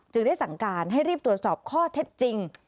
ได้สั่งการให้รีบตรวจสอบข้อเท็จจริง